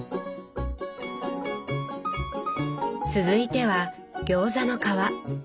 続いてはギョーザの皮。